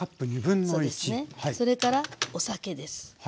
それからお酒です。